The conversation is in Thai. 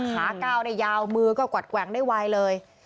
ก้าวได้ยาวมือก็กวัดแกว่งได้ไวเลย